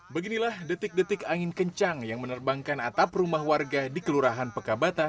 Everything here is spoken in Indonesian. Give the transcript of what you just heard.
beginilah detik detik angin kencang yang menerbangkan atap rumah warga di kelurahan pekabata